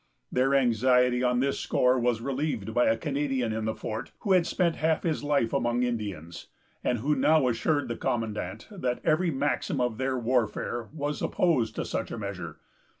Their anxiety on this score was relieved by a Canadian in the fort, who had spent half his life among Indians, and who now assured the commandant that every maxim of their warfare was opposed to such a measure.